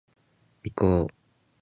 いこーーーーーーぉ